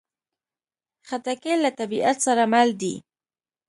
خټکی له طبیعت سره مل دی.